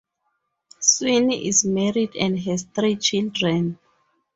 Swinney is married and has three children.